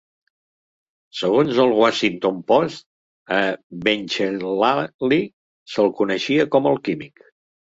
Segons els Washington Post, a Benchellali se'l coneixia com el químic.